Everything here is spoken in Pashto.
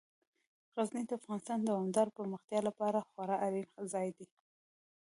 غزني د افغانستان د دوامداره پرمختګ لپاره خورا اړین ځای دی.